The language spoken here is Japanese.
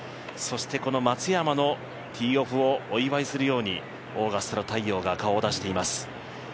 そして松山のティーオフをお祝いするようにオーガスタの太陽が顔を出しています。